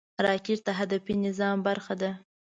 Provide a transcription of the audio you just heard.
راکټ د هدفي نظام برخه ده